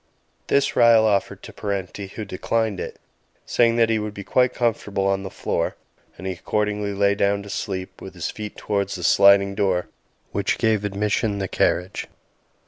This Ryall offered to Parenti, who declined it, saying that he would be quite comfortable on the floor and he accordingly lay down to sleep, with his feet towards the sliding door which gave admission the carriage.